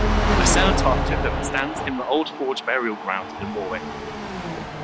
A cenotaph to him stands in the Old Forge Burial Ground in Warwick.